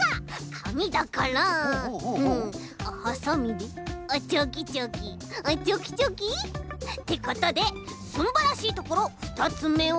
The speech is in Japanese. かみだからハサミであっチョキチョキあっチョキチョキ。ってことですんばらしいところ２つめは。